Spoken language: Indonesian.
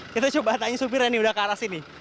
kita coba tanya supirnya nih udah ke arah sini